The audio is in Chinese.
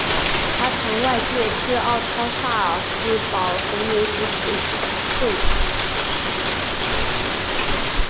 他曾外借至奥超萨尔斯堡红牛足球会。